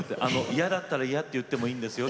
嫌だったら嫌と言っていいんですよ。